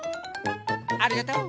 ありがとう。